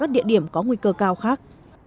các địa điểm có nguy cơ cao khác